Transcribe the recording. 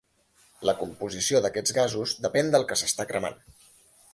La composició d'aquests gasos depèn del que s'està cremant.